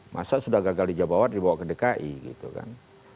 masa sudah gagal di jawa barat dibawa ke dki gitu kan